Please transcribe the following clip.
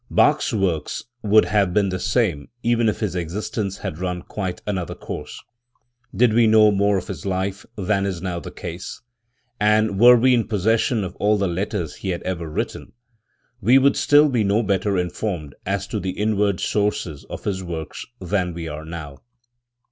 Bach's works would have been the same even if his existence had run quite another course. Did we know more of his life than is now the case* and were we in possession of all the letters he had ever written, we should still be no better informed as to the inward sources of his works than we are now.